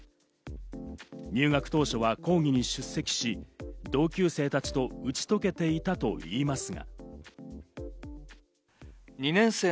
入学当初は講義に出席し、同級生たちと打ち解けていたといいますが。